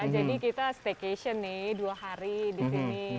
jadi kita staycation nih dua hari di sini